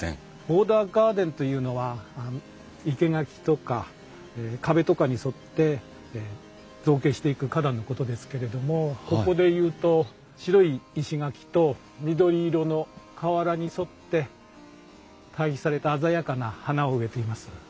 ボーダーガーデンというのは生け垣とか壁とかに沿って造形していく花壇のことですけれどもここでいうと白い石垣と緑色の瓦に沿って対比された鮮やかな花を植えています。